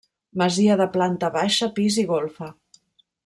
Masia de planta baixa, pis i golfa.